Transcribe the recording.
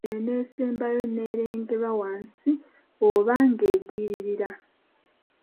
Eyo n’esembayo n’ereegerwa wansi oba ng’egwiririra.